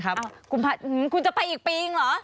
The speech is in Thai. กลับไปกดไปอีกปีอีกแล้วเหรอ